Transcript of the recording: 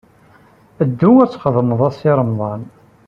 Ddu ad txedmed a Si Remḍan!